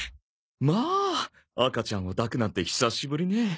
まあ赤ちゃんを抱くなんて久しぶりね。